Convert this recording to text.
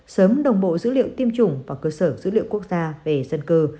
sớm đồng bộ dữ liệu tiêm chủng và cơ sở dữ liệu quốc gia về dân cư